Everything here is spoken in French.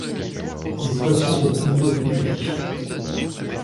Le poisson est plus mou et plus petit.